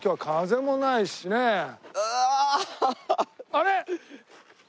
あれ！？